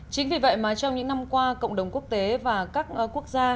chính vì vậy mà trong những năm qua cộng đồng quốc tế và các quốc gia